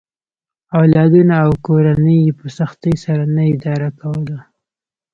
اولادونه او کورنۍ یې په سختۍ سره نه اداره کوله.